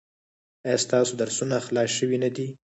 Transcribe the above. ایا ستاسو درسونه خلاص شوي نه دي؟